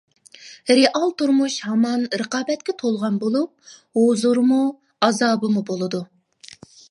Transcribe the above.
رېئال تۇرمۇش ھامان رىقابەتكە تولغان بولۇپ، ھۇزۇرىمۇ، ئازابىمۇ بولىدۇ.